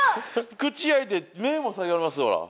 口開いて目も下げられますわ。